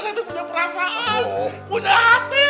sudah ada hati